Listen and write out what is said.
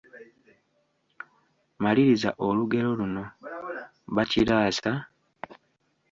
Maliriza olugero luno: Bakiraasa, …..